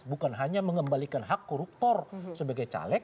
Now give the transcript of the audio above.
bukan hanya mengembalikan hak koruptor sebagai caleg